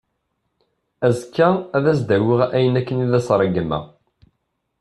Azekka, ad as-d-awiɣ ayen akken i as-ṛeggmeɣ.